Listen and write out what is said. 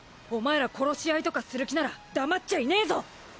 お前ら殺し合いとかする気なら黙っちゃいねえぞ！